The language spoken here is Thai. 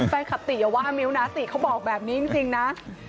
ติอย่าว่ามิ้วนะติเขาบอกแบบนี้จริงนะ